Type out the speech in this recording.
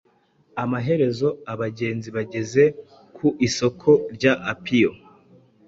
Amaherezo abagenzi bageze ku Isoko rya Apiyo